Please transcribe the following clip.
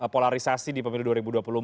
polarisasi di pemilu dua ribu dua puluh empat